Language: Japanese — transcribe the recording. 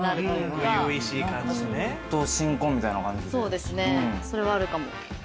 そうですねそれはあるかも。